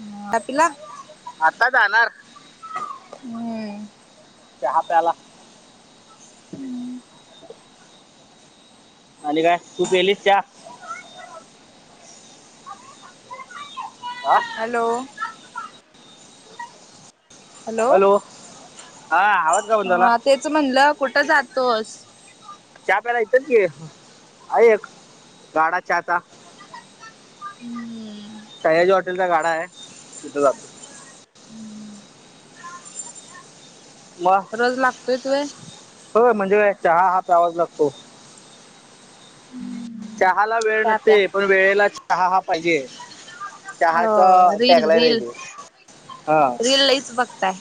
ह् तपला. आता जाणार. हम्. त्या ह आप्याला.. हम्म. आणिली काय तू प केलीस त्या आा हॅलो! हॅलो हा आवाज का बंद झाला ह तेच म्हणलं कुठं जातोस. चा प्याला इथच ग आहे एक गाडा चाचा हम् सया्याजी हॉटेलचा गाडा आहे तिथं जातो. वा रज लागतोयच वे हो म्हणजे चहा हा आवाज लागतो. चहाला वेळ प्या नसते प्या पण वेळेला चहा हा पाहिजे. चहाच हो रील टकलाय नाही रील ते हा. रील लईच बघताय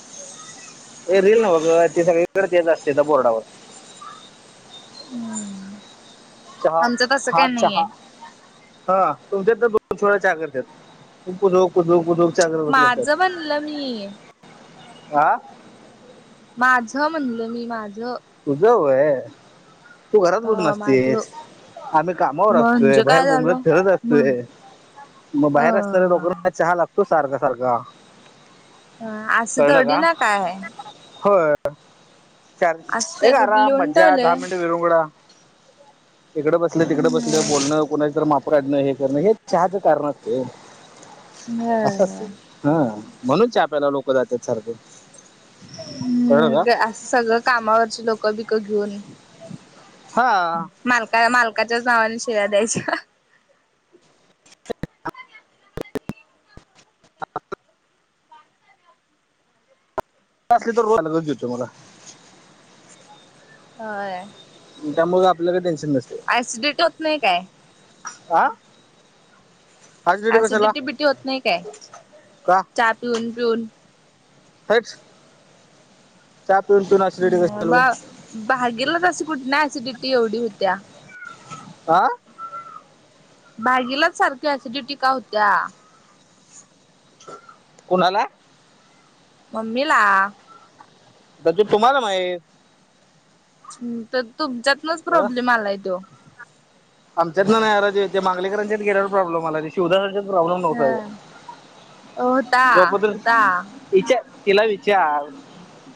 ए रील ना बघ ती सगगड येत असते बोर्डावर. हम्. चहा हाात चहा. हा तुमच्या तर दोन छोट्या करत तुुो कुो कु माझं बनलं मी. आा माझं म्हणल मी माझं उजव आहे. तू घरात बस अ माझं नसतेस आम्ही कामावर असतोय म्हणजे बाहेर काय बोंबलत झालं फिरत म्हण असतोय. मग अ बाहेर असणारना रोक चहा लागतो सारखा सारखा. ह अशी त अडी ना काय. हो चार असं काय एक कुठे आराम लिहून मज्जा ठेवलंय दहा मिनट विरुंगडा. इकडं बसलं तिकडं बसलं हम्म बोलणं कोणाची तर माप काढणं हे करणं हे चहाचं कारण असते. असंच हा म्हणून आप्याला लोक जातात सारखं. कळलं हम्म का असं सगळं कामावरची लोक बिक घेऊन. हा. काय मालकाच्याच नावाने शेळा्या द्यायच्या [inaudible] ली तरलाो मला हो त्यामुळेळ आपल्याला टेनशन नसत सिडिटी होत नाही काय आं एसिडिटी बिटी होत नई काय चहा पिऊन पिऊन हच चहा पिऊन [unintelligible] बा बागेला तशी कुठनं एसिडिटी एवढी होत्या आह भागीलाच सारखं ऍसिडिटी का हुत्या अच्छ कुणाला मम्मीला त--ते तुम्हाला माहीत तर तुमच्यातनच प्रॉब्लेम आलाय तो आमच्यातनं नाय [unintelligible] गेल्याव प्रॉब्मल आलाय ते शोधारांच्यात प्रॉब्लेम अ नव्हता होता होता ह्यो [unintelligible] तिला विचार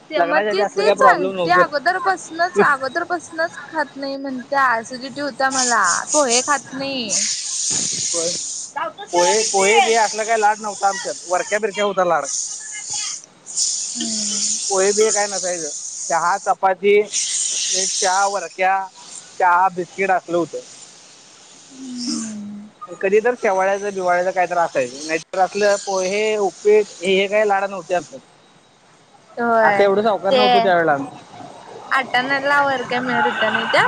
ते मग लग्नाच्या आधी ते असलं ते काय चांग प्रॉब्लेम ते नव्हतं. अगोदरपसूनच अगोदर पासूनच खात नाही म्हणत सिडिटी होता मला पो हे खात नाही प पोहे पोहे बि असला काही लाड नव्हता आमच्या वरक्या बिरक्या होता लाड [inaudible] हम.. पोहे बिये काय नसायचं चहा चपाती एक चहा वरक्या चहा बिस्किट असलं हुतं हम कधी तर शेवाळ्याच बिवाळ्याच काही तर असायच नाहीतर असलं पोहे उपीट हे हे काय लाड नव्हते अस होय ते नव्हतो त्यावेळेला आम्ही आटान्याला वर काय मिळत [unintelligible]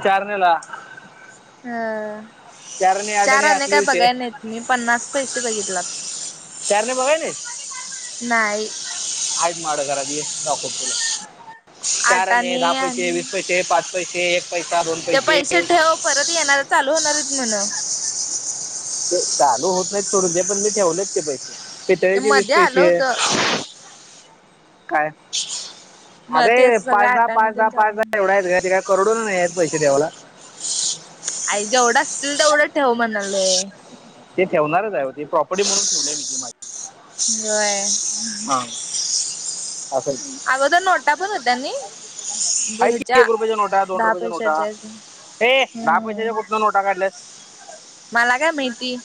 चारण्याला अह चारने चार आठने आने असले काय विषय बघाय नाहीत मी पन्नास पैसे बगितल्यात चार आणे बघाय नाइस नाही हायत माड घरात ये दाखवतो तुला आठ चारआणे दहा आणे पैसे आणि वीस पै से पाच पैसे एक ते पैसे ठेव परत येणारयत चालू होणारयत म्हण ते चालू होत नाहीत सुरजे पण मी ठेवलेत ते पैसे ते पितळेचे वीस मध्ये आलं पैसे होत. काय मग अरे तेच सगळं पाचदहा आठ आणे पाच दहा तेन चालू पाचदहा एवढ आहेत ग ते काय करोडनं नाहीयेत पैसे [unintelligible] आई जेवढं असतील तेवढं ठेव म्हणलय ते ठेवणारचये ओ ती प्रॉपर्टी म्हणून ठेव बय हा अस अगोदर नोटा पण होत्या नई म्हणजे की हेच्या एक रुपयाच्या नोटा दोन दहा रुपयाच्या नोटा पैशाच्या तेन हम्म त नोटा काढल्यास मला काय माहिती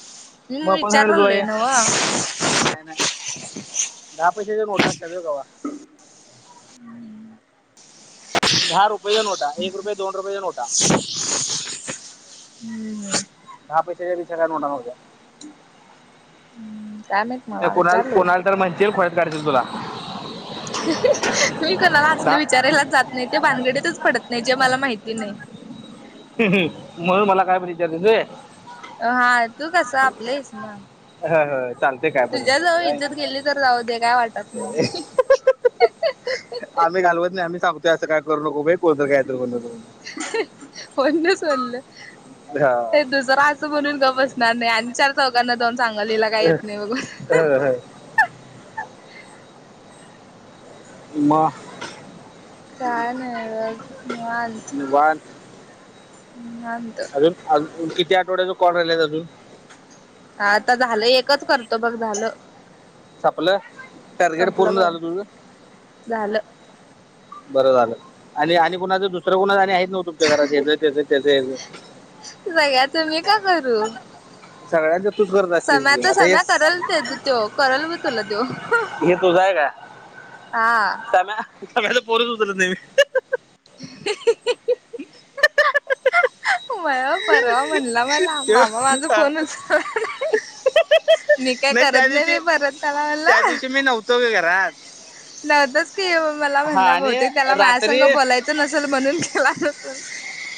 मी मग कोण सांगितलं तुला विचारलोय नव हे नाय दहा पैशाच्या नोटा असत्यात होय कवा दहा रुपयच्या नोटा एक रुपये दोन रुपयेच्या नोटा हम्म दहा पैशाच्या वीस च्या काय नोटा नव्हत्या [inaudible] काय माहित मला कोणा विचारलो कोणाला तर म्हणशील खुळ्यात काढतील तुला मी कोणाला असल दहा विचारायलाच जात नाही ते भानगडीतच पडत नाही जे मला माहिती नाही म्हणून मला काय पण इचारतीस व्हय हा तू कस आपलं आहेस ना चालते काय पण तुझ्या जवळ काय इज्जत गेली तर जाऊ दे काय वाटत नाही [inaudible] आम्ही घालवत नाही आम्ही सांगतोय असं काय करू नको बाई कोण तर काय तर म्हणंल म्हणून कोण गं सोललं हे दुसरा म्हणून गप्प बसणार नाही आणि चार चौघांना जाऊन सांगंल हिला काय येत नाही बघ मा काय नाही निवांत निवांत हम्म निवांत अजून किती आठवड्याच कोण राहिलाय अजून ह आता झालं एकच करतो बघ झालं संपलं टार्गेट संपलं पूर्ण भाऊ झालं तुझ झालं बरं झालं आणि- आणि कुणाचं दुसरं कुणाचं आणि हायत नव तुमच्या घरात हेचं तेजं तेजं हेजं सगळ्याच मी का करू सगळ्यांचं तूच करत असतेस की सम्याचा आता हे सम्या करंल तेज तो करंल ब तुला तो ये तुझं हाय काय हा त तम्या तम्याचा फोनंच उचलत नाही मी [unintelligible] परवा म्हणला मला मामा माझा तेव्हा- फोन उचलत मी काय करत नाही बाई परत त्याला तो बि घरात नव्हतच की मला हा म्हणला आणि बहुतेक त्याला रात्री मायासंघ बोलायच नसंल म्हणून केला नसंल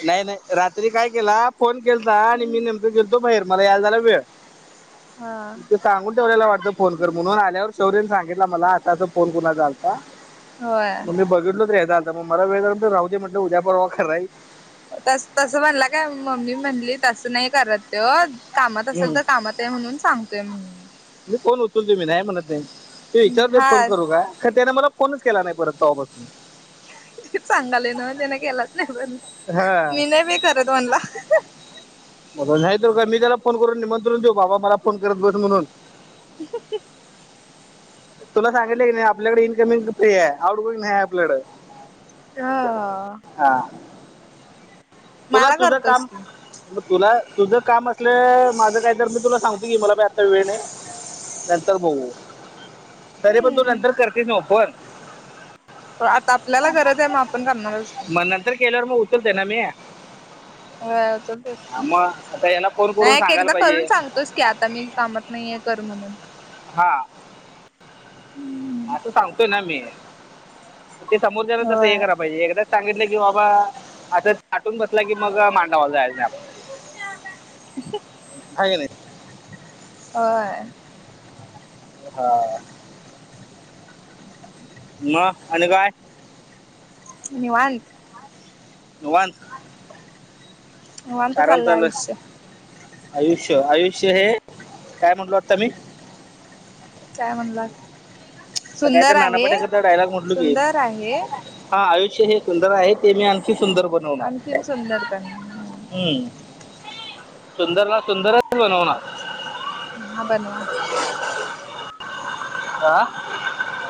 नाही नाही रात्री काय केला फोन केलता आणि मी नेमकं गेलतो बाहेर मला यायला झाला वेळ हा ठीके सांगून ठेवलेला वाटतं फोन कर म्हणून आल्यावर शौर्यने सांगितला मला अस अस फोन कुणाचा आलता होय मग मी बघितलो तर हेचा आलता मग मला वेळ झाल्ता राहूदे म्हटलं उद्या परवा कराय येईल तस तसं म्हणला काय मम्मी म्हणली तसं नाही करत त्यो कामात असेल तर कामात आहे म्हणून सांगतोय म्हणून मी फोन उचलतोय मी नाही म्हणत नाही तो विचारतोय फोन हा करू काय तर त्याने मला फोनंच केला नाही परत तवा पास्नं तेचं सांगालोय न्हवं त्यांनं केलाच नाही म्हणून हा म नाही तर का मी त्याला फोन करून निमंत्रण देऊ बाबा मला फोन करत बंस म्हणून [inaudible] तुला सांगितलंय कनाही आपल्याकडं इनकमिंग फ्री हाय आउटगोइंग नाही आहे आपल्याकडं हा हा तुला मला तुझं करतोस काम की मग तुला तुझं काम असलं माझ काही तर मी तुला सांगतोय की मला बि आता वेळ नाही. नंतर बघू, तरी पण तू नंतर हम्म करतीस नव फोन. म आता आपल्याला गरज आहे मग आपण करणारंच की. म नंतर केल्यावर मग उचलते ना मी. होय उचलतोस हा की म आता याला फोन करून नाही एक सांगायला एकदा करून पाहिजे. सांगतोस की आता मी कामात नाहीये कर म्हणून. हा. असं सांगतोय ना मी ते समोरच्याला तसं हे होय करायं पाहिजे एकदा सांगितलं की बाबा असच. ताटून बसला की मग मांडवाला जायचं नाही आपण हाय क नाही. होय. हा म आणि काय. निवांत. निवात. निवांत आराम चाललंय चालू आहे. आयुष्य आयुष्य आयुष्य हे काय म्हटलो आता मी. काय म्हणलास. सकाळी ते सुंदर नाना आहे पाटेकर चा डायलॉग म्हटलो की सुंदर आहे हा आयुष्य हे सुंदर आहे ते मी आणखी सुंदर बनवणार. आणखीन सुंदर बनवा हम्म सुंदरला सुंदरच बनवणार. हा बनवा. आ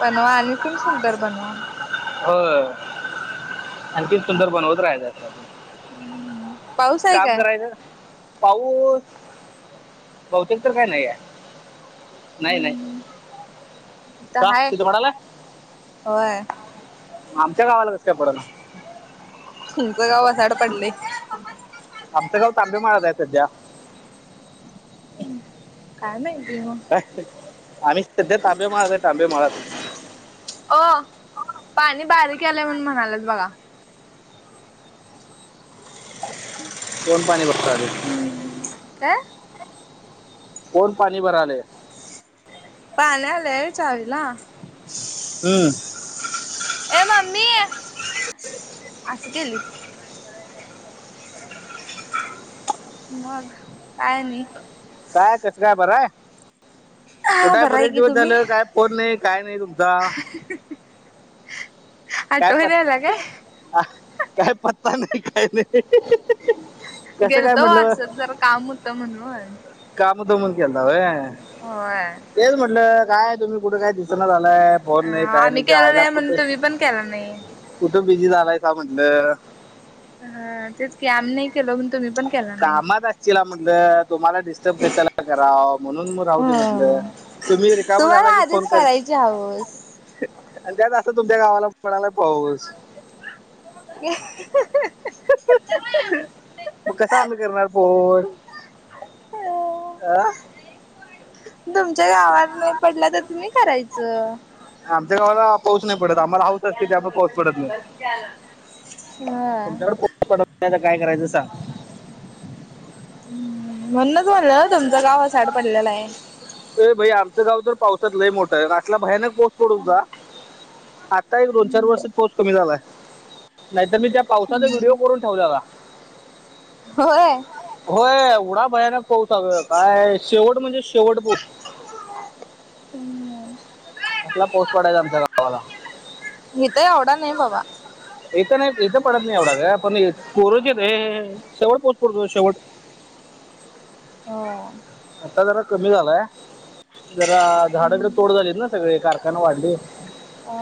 बनवा आणखीन सुंदर बनवा. होय आणखीन सुंदर बनवत राहाचं. पाऊस आहे काम काय? करायचं. पाऊस बहुतेक तर काय नाही आहे नाही नाही. इथ का हाय तिथं पडलाय होय आमच्या गावाला कस काय पडना. तुमचं गाव वसाड पडलय. आमचं गाव तांबे मळ्यात आहे सध्या. हम्म काय माहिती म. आम्ही सध्या तांबे मळ्यात तांबे मळ्यात. ओ पाणी बारीक यालय म्हणून म्हणालेत बघा. कोण पाणी भरालय. काय. कोण पाणी भरालंयं. पानी आलय चावीला. हम्म ए मम्मी असं केलीत. मग काय आणि काय कसं काय बर हाय. हा कुठ हाय बरं आहे बरेच की दिवस तुम्ही? झालं काय फोन नाही काय नाही तुमचा. [unintelligible] काय आठवण यायला पत काय काय पत्ता नाही काय नाही. कसं काय गेलतो ओ म्हटलं असच जरा काम होत म्हणून. काम होत म्हणून गेल ता होय तेच म्हटलं काय तुम्ही कुठे काय दिस दिसना झालाय फोन नाही काय नाही आम्ही हिच्या केलो आयला कुठ. म्हणून तुम्ही पण केला नाही. कुठं बिझी झालायसा म्हटलं. हा तेच की आमी नाही केलं म्हनून तुम्ही पण केला नाही. ला म्हटल तुम्हाला डिस्टर्ब कशाला कराव म्हणून मग राहते म्हटलं हो तुम्ही रिकाम तुम्हाला आला की फोन आधीच कर करायची हौस. त्यात असं तुमच्या गावाला कोणाला पाहस मग कस आम्ही करणार पोन अ तुमच्या गावात नाही पडला तर तुम्ही करायचं आमंत काला पास नाही पडत आम्हाला हाऊस असते त्यामुळे पाऊस पडत नाही हा तमच्याक काय करायचं सांग म्हणणच म्हणलं तुमचं गाव साड पडलेला आहे. हे भाई आमचं गाव भयानक मोठे पावसात लय मोठा आहे आला भयानक पडत होता. एक दोन चार वर्ष हम्म पाऊस कमी झालाय नाहीर मी त्या पावसाचा व्हिडिओ करून होय. होय एवढा भयानक पा काय शेवट म्हणजे शेवट पाऊस हम्म [unintelligible] कला पाऊस पडायचा आमच्या गावाला इथ आवडा नाही बाबा इथं नाही इथं पडत नाही. एवढा का पण कोरजित शेवट पोस्टतो शेवट हो आता जरा कमी झालाय जरा झाड तरडे तोड झालीत ना सगळे कारखाना वाढले अ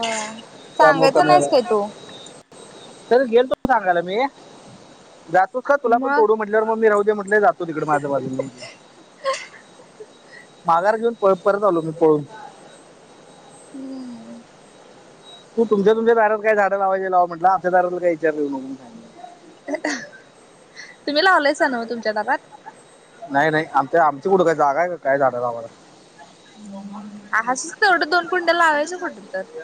त्यामुळेका सांगायचं नाहीस काय मिळाला तू तर गेलण सांगायला मी जातोस का तुला पण मग तोडू म्हटल्यावर मग मी राहू दे म्हटले जात तिकडे माझ्या बाजूला माघार घेऊन परत आलो मी पळून हम्म तू तुमच्या तुच्या दारात काय झाडं लावाय लाव म्हटलं आच्या दारातला का विचार येऊ नको तुम्ही लावलायच ना तुमच्या दावात नाही नाही आम ते आमची कुठं काही जागा आहे. काय जाणार आम्हाला आच ते एवढं दोन कुंड्या लावायच्या कुठेतरी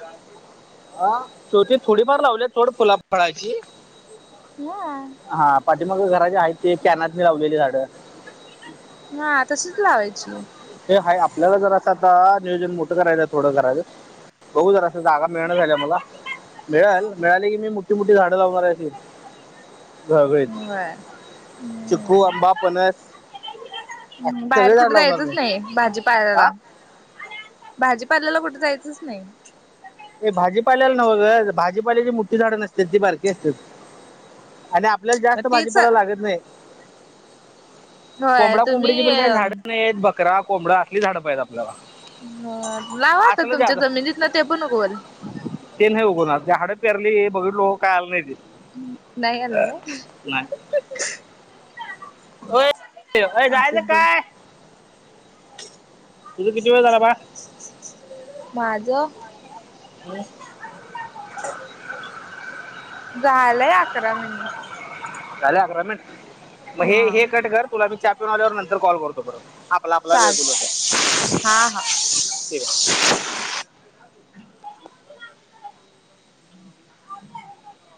हा शेवती थोडीफार लावले थोड फुला फळाची ह [unintelligible] हा पाठी मग घरा जे आहेत ते कॅनात म लावलेली झाडं हा तशीच लावायची हे हा आपल्याला जर असा आता नियोजन मोठं करायच थोडं करायचं होऊ जरा अस जागा मिळणं झाल्या मला मिळाल मिळाली की मी मोठी मोठी झाडं लावणार असेल गळगळीत होय चिकू, हम्म आंबा, फणस, बाहेर कुठे जायचंच मी नाही. हा भाजीपायला भाजीपाल्याला कुठे जायचंच नाही. भाजीपाल्याला नवं ग भाजीपालेची मोठी झाडं असतेात ती बारकी असतात आणि आपल्याला मग जास्त तेच भाजीपाला लागत नाही होय कोंबडा कोंबडीची तुम्ही पण काही झाडं नाही आहेत बकरा कोंबडा असली झाडं पाहित आपल्याला ह लावाता असलं तुमच्या जादा जमिनीत ना ते पण उगवला ते नाही उघणार हाडं पेरली बघितलो काय आला नाही ते नाहीय याला का. हो अ असू जायचं दे काय तुझं किती वेळ झाला बा माझं ह झायलाय अकरा मिनिट झाले अकरा मिनट मग हा हे कट कर तुला मी चहा पिऊ आल्यावर नंतर कॉल करतो. बरोबर पण आपला आपला [unintelligible] चालतय हा हा ठीक आहे. [unintelligible] [inaudible] ह [unintelligible]